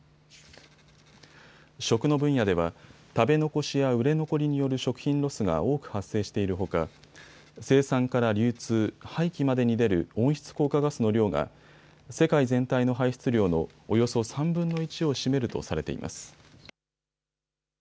食の分野では食べ残しや売れ残りによる食品ロスが多く発生しているほか、生産から流通、廃棄までに出る温室効果ガスの量が世界全体の排出量のおよそ３分の１を占めるとされています。